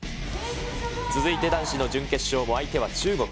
続いて男子の準決勝も相手は中国。